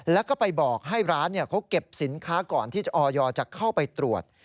แล้วก็ไปบอกให้ร้านเขาเก็บสินค้าก่อนที่ออยจะเข้าไปตรวจ